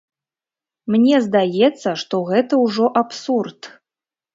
Мне здаецца, што гэта ўжо абсурд.